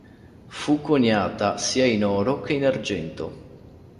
Fu coniata sia in oro che in argento.